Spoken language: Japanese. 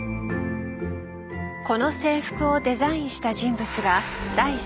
この制服をデザインした人物が第３の視点。